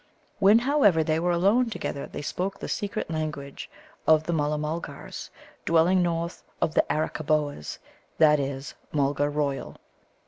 When, however, they were alone together they spoke the secret language of the Mulla mulgars dwelling north of the Arakkaboas that is, Mulgar royal.